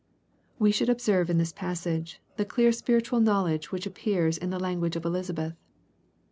We should observe in this passage, the clear spiritual knowledge which appears in the language of Elisabeth.